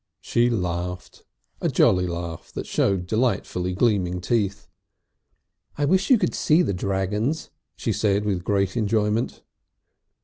She laughed, a jolly laugh that showed delightfully gleaming teeth. "I wish you could see the dragons," she said with great enjoyment.